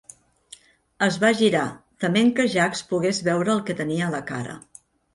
Es va girar, tement que Jacques pogués veure el que tenia a la cara.